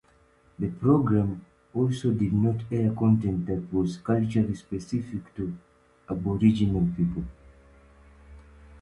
The program also did not air content that was culturally specific to aboriginal people.